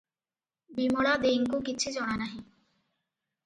ବିମଳା ଦେଈଙ୍କୁ କିଛି ଜଣା ନାହିଁ ।